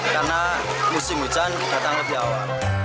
karena musim hujan datang lebih awal